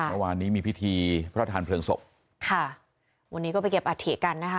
ระหว่างนี้มีพิธีพระทานเพลิงศพค่ะวันนี้ก็ไปเก็บอาเหตุกันนะคะ